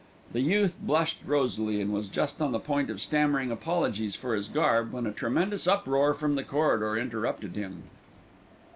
The youth blushed rosily, and was just on the point of stammering apologies for his garb, when a tremendous uproar from the corridor interrupted him.